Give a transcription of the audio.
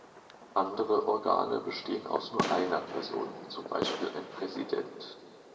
Andere Organe bestehen aus nur einer Person, zum Beispiel ein Präsident.